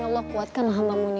ya allah kuatkan alhamdulillah